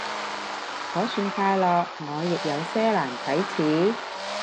可算快樂，我亦有些難啟齒